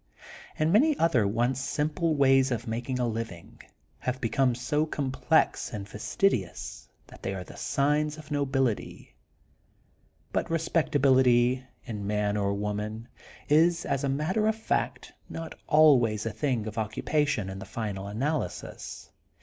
And many other once simple ways of making a living have become so com plex and fastidious that they are the signs of THE GOLDEN BOOK OF SPRINGFIELD M nobility. But respectability, in man or woman, is, as a matter of fact, not always a thing of occupation in the final analysis.